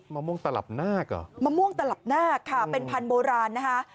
มะม่วงตลับนาคเหรอมะม่วงตลับนาคค่ะเป็นพันธุ์โบราณนะคะ